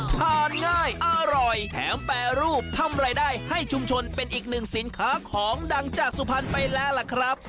ทานง่ายอร่อยแถมแปรรูปทำรายได้ให้ชุมชนเป็นอีกหนึ่งสินค้าของดังจากสุพรรณไปแล้วล่ะครับ